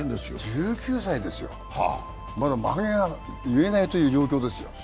１９歳ですよ、まだまげが結えない状況ですよ。